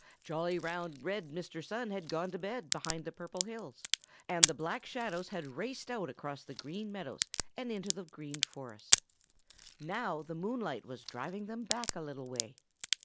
Jolly, round, red Mr. Sun had gone to bed behind the Purple Hills, and the black shadows had raced out across the Green Meadows and into the Green Forest. Now the moonlight was driving them back a little way.